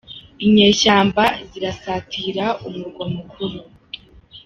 Inyeshyamba zirasatira umurwa mukuru